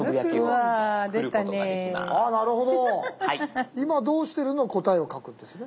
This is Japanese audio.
あなるほど「いまどうしてる？」の答えを書くんですね？